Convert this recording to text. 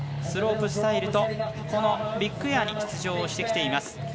スロープスタイルと、このビッグエアに出場してきています。